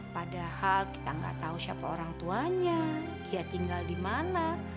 padahal kita gak tahu siapa orang tuanya dia tinggal dimana